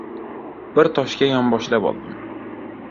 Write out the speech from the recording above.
Bir toshga yonboshlab oldim.